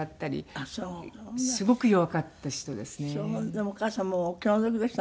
でもお母様もお気の毒でしたね